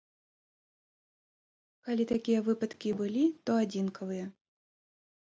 Калі такія выпадкі і былі, то адзінкавыя.